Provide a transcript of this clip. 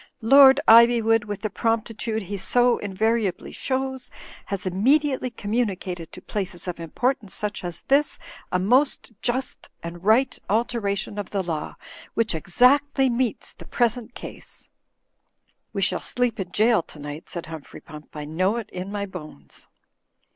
Lord Ivywood, with the promptitude he so invariably shows, has immediately communicated to places of importance such as this a most just and right Digitized by CjOOQ IC HOSPITALITY OF THE CAPTAIN 243 alteration of the law, which exactly meets the present case." ''We shall sleep in jail tonight," said Humphrey Pump. "I know it in my bones."